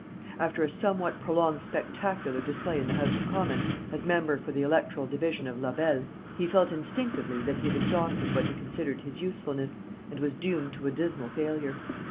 After a somewhat prolonged spectacular display in the House of Commons, as member for the electoral division of Labelle, he felt instinctively that he had exhausted what he considered his usefulness, and was doomed to a dismal failure.